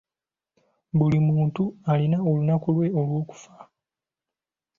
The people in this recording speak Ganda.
Buli muntu alina olunaku lwe olw'okufa.